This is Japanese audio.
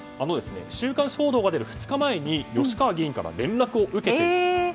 週刊報道が出る２日前に吉川議員から連絡を受けたと。